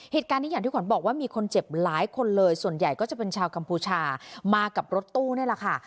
เหตุการณ์นี้อย่างที่ขวัญบอกว่ามีคนเจ็บหลายคนเลยส่วนใหญ่ก็จะเป็นชาวกัมพูชามากับรถตู้นี่แหละค่ะ